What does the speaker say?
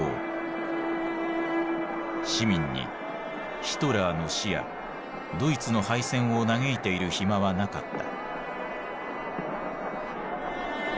市民にヒトラーの死やドイツの敗戦を嘆いている暇はなかった。